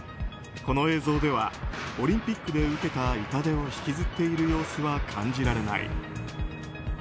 この映像ではオリンピックで受けた痛手を引きずっている様子は感じられない。